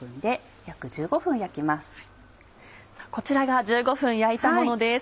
こちらが１５分焼いたものです。